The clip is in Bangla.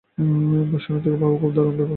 দর্শনার্থী পাওয়া খুব দারুণ ব্যাপার।